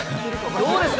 どうですか？